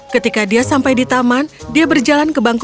ketika dia sampai di taman dia berjalan ke bangkok